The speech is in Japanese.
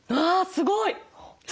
すごい。